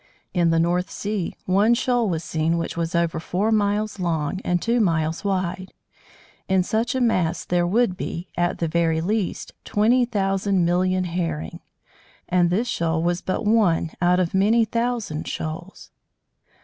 In the North Sea, one shoal was seen which was over four miles long and two miles wide. In such a mass there would be, at the very least, twenty thousand million Herring; and this shoal was but one out of many thousand shoals.